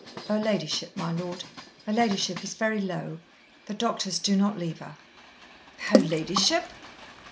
"Her ladyship, my lord her ladyship is very low. The doctors do not leave her." "Her ladyship?"